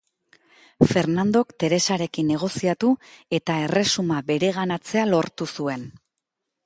Fernandok Teresarekin negoziatu eta Erresuma bereganatzea lortu zuen.